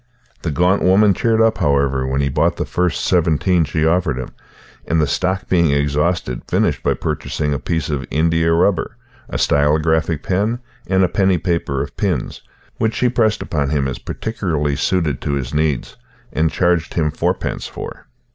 The gaunt woman cheered up, however, when he bought the first seventeen she offered him, and, the stock being exhausted, finished by purchasing a piece of india rubber, a stylographic pen, and a penny paper of pins, which she pressed upon him as particularly suited to his needs and charged him fourpence for.